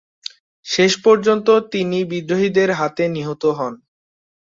শেষ পর্যন্ত তিনি বিদ্রোহীদের হাতে নিহত হন।